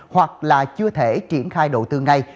hoặc là chưa thể triển khai đầu tư ngay